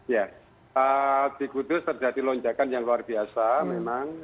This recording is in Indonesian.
ya di kudus terjadi lonjakan yang luar biasa memang